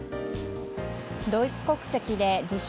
ドイツ国籍で自称